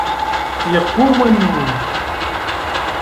Yeqqur wanu.